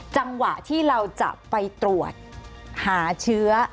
จังหวะที่เราจะไปตรวจหาเชื้อ